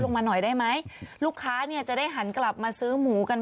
ลงมาหน่อยได้ไหมลูกค้าเนี่ยจะได้หันกลับมาซื้อหมูกัน